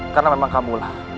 karena memang kamu lah